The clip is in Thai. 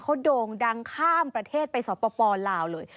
เขาโด่งดังข้ามประเทศไปสปลาวเลย